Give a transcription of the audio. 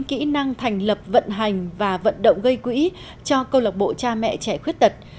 kỹ năng thành lập vận hành và vận động gây quỹ cho câu lạc bộ cha mẹ trẻ khuyết tật